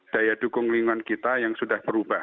daya dukung lingkungan kita yang sudah berubah